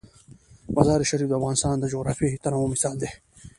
مزارشریف د افغانستان د جغرافیوي تنوع مثال دی.